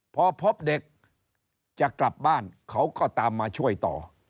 พอพบเด็กจะกลับบ้านเขาก็ตามมาช่วยต่อ